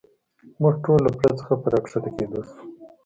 موږ ټول له پله څخه په را کښته کېدو شو.